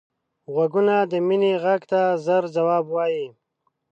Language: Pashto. غوږونه د مینې غږ ته ژر ځواب وايي